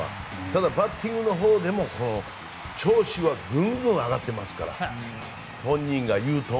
ただ、バッティングのほうでも調子はグングン上がってますから。